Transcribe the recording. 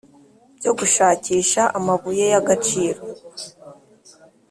Byo gushakisha amabuye y agaciro